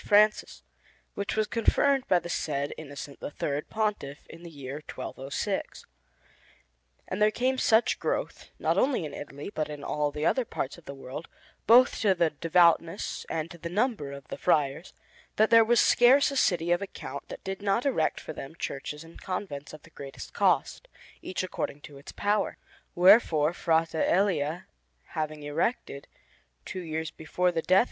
Francis, which was confirmed by the said Innocent III, Pontiff, in the year 1206; and there came such growth, not only in Italy but in all the other parts of the world, both to the devoutness and to the number of the Friars, that there was scarce a city of account that did not erect for them churches and convents of the greatest cost, each according to its power. Wherefore, Frate Elia having erected, two years before the death of S.